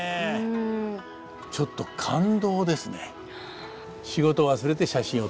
ちょっと感動ですね。